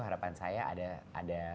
harapan saya ada